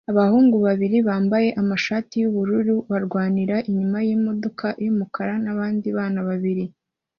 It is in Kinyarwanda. Abahungu babiri bambaye amashati yubururu barwanira inyuma yimodoka yumukara nabandi bana babiri